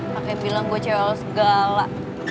makanya bilang gue cewek lelah segala